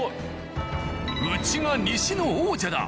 ウチが西の王者だ！